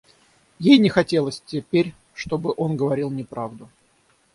Ей не хотелось теперь, чтобы он говорил неправду.